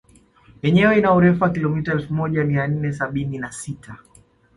Yenyewe ina urefu wa kilomita elfu moja mia nne sabini na sita